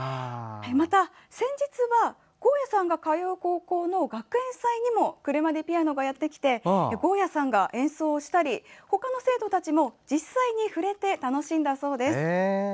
また先日は合屋さんが通う高校の学園祭でもクルマｄｅピアノがやってきて合屋さんが演奏をしたりほかの生徒さんたちも実際に触れて楽しんだそうです。